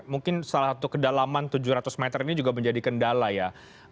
mungkin salah satu kedalaman tujuh ratus meter ini juga menjadi kendala ya